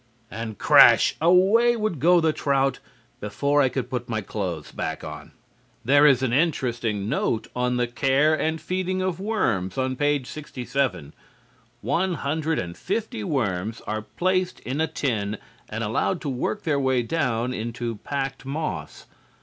And crash! away would go the trout before I could put my clothes back on. There is an interesting note on the care and feeding of worms on page 67. One hundred and fifty worms are placed in a tin and allowed to work their way down into packed moss.